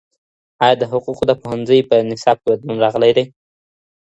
آیا د حقوقو د پوهنځي په نصاب کي بدلون راغلی دی؟